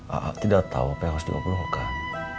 a'a tidak tau apa yang harus diobrolkan